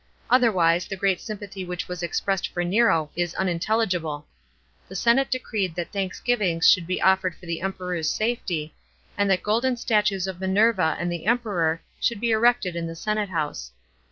Otherwise the great sympathy which was expressed for Nero is unintelligible. The senate decreed that thanksgivings should be offered for the Emperor's safety, and that golden statues of Minerva and the Emperor should be erected in the senate house.